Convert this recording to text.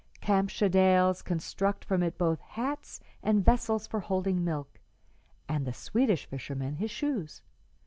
Kamschadales construct from it both hats and vessels for holding milk, and the Swedish fisherman his shoes.